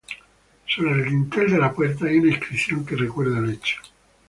Sobre el dintel de la puerta hay una inscripción que recuerda el hecho.